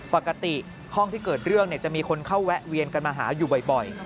ปกติห้องที่เกิดเรื่องจะมีคนเข้าแวะเวียนกันมาหาอยู่บ่อย